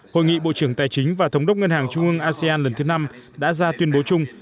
hội nghị bộ trưởng tài chính và thống đốc ngân hàng trung ương asean lần thứ năm đã ra tuyên bố chung